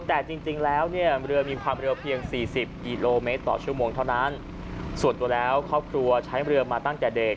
แต่จริงจริงแล้วเนี่ยเรือมีความเรือเพียงสี่สิบกิโลเมตรต่อชั่วโมงเท่านั้นส่วนตัวแล้วครอบครัวใช้เรือมาตั้งแต่เด็ก